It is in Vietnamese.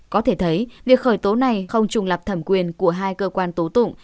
có thể thấy việc khởi tố này không trùng lập thẩm quyền của hai cơ quan tố tụng